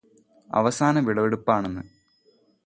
അവസാന വിളവെടുപ്പാണെന്ന്